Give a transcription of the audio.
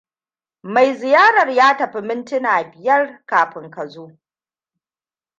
Mai ziyarar ya tafi mintuna biya kafin ka zo.